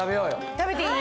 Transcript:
食べていい？